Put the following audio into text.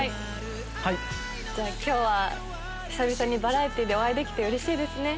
今日は久々にバラエティーでお会いできてうれしいですね。